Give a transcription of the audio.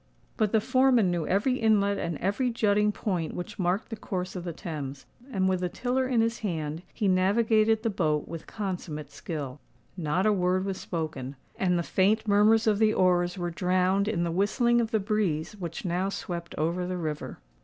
But the foreman knew every inlet and every jutting point which marked the course of the Thames; and, with the tiller in his hand, he navigated the boat with consummate skill. Not a word was spoken; and the faint murmurs of the oars were drowned in the whistling of the breeze which now swept over the river.